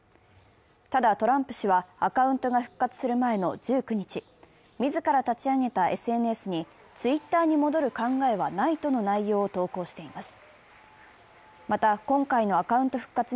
ただトランプ氏のアカウントが復活する前の１９日、自ら立ち上げたＳＮＳに、Ｔｗｉｔｔｅｒに戻る考えはないとの内容を投稿しています。